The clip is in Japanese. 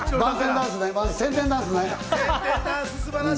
宣伝ダンスね。